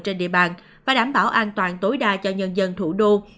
trên địa bàn và đảm bảo an toàn tối đa cho nhân dân thủ đô